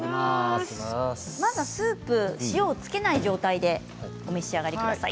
スープ、塩をつけない状態でお召し上がりください。